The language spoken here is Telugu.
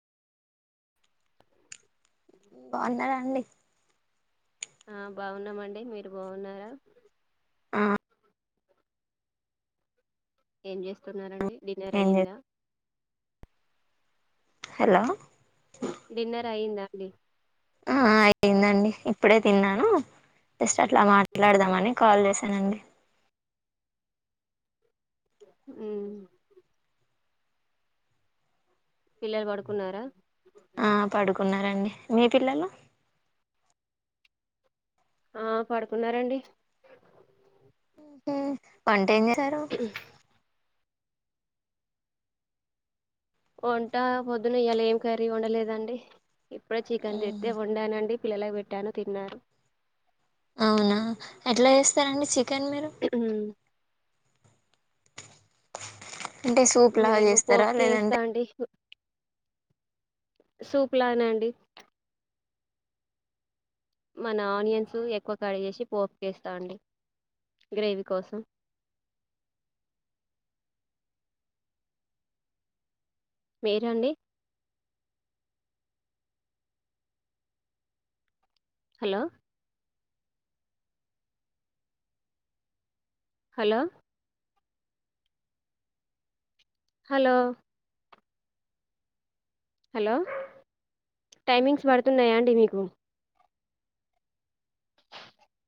బాగున్నడా అండి ఆ బాగున్నామండి మీరు బాగున్నారా ఆ ఏం చేస్తున్నారండి డిన్నర్ ఏం చే అయ్యంద హలో డిన్నర్ అయ్యందా అండి ఆ అయ్యిందండి ఇప్పుడే తిన్నాను జస్ట్ అట్లా మాట్లాడదామని కాల్ చేశానండి హ్మ్ పిల్లలు పడుకున్నారా ఆ పడుకున్నారండి మీ పిల్లలు ఆ పడుకున్నారండి వంట ఏం తరు వంట పొద్దున ఇ్యలా ఏం కర్రీ వండలేదండి ఇప్పుడ చికెన్ తెద్దే ఉండానండి పిల్లలకి పెట్టను తిన్నారు అవునా ఎట్లా చేస్తారండి చి కాన్ మీరు మ్మ్. అంటే సూప్ లాగా మేము చేస్తారా పోపుకే వేస్తా లేదంటే అండి సూప్ లానా అండి మన ఆనియన్స్ ఎక్కువ కడి చేసి పోఫ వేస్తా అండి గ్రేవీ కోసం మీరండి hello hello hello hello timings పడుతున్నాయా అండి మీకు